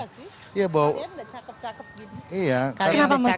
kenapa sih kalian gak cakep cakep